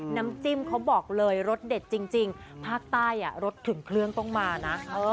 น้ำจิ้มเขาบอกเลยรสเด็ดจริงภาคใต้รสถึงเครื่องต้องมานะ